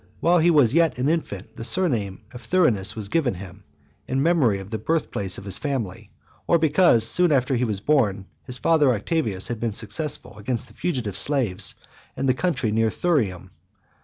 VII. While he was yet an infant, the surname of Thurinus was given him, in memory of the birth place of his family, or because, soon after he was born, his father Octavius had been successful against the fugitive slaves, in the country near Thurium.